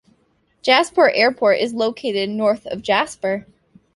Jasper Airport is located north of Jasper.